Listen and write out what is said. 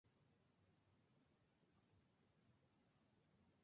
এখানে একটি অতিরৈখিক হল দুটি অতিরৈখিক এর অনুপাত।